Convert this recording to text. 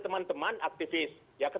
teman teman aktivis ya kan